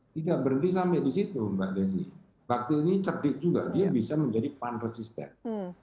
tidak berhenti sampai di situ mbak desi bakti ini cerdik juga dia bisa menjadi pan resistance